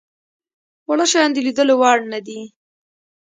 واړه شيان د ليدلو وړ نه دي.